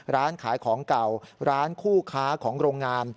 ร้านขายของเก่าร้านคู่ค้าของโรงงาน